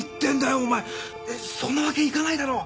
お前そんなわけいかないだろ！